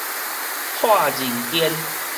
蔡仁堅